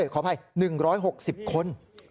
ขออภัย๑๖๐คน